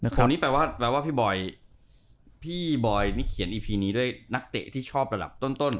คนนี้แปลว่าพี่บอยพี่บอยนี่เขียนอีพีนี้ด้วยนักเตะที่ชอบระดับต้น